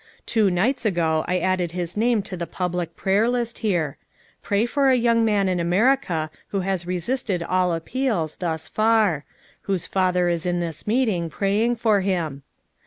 Two nights ago I added his name to the public prayer list here: 'Pray for a young man in America who has resisted all appeals, thus far; whose father is in this meeting praying for him.'